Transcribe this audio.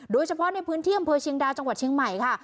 โดยเฉพาะในพื้นที่อำเภอเชียงดาวจังหวัดเชียงใหม่ค่ะ